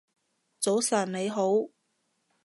早晨你好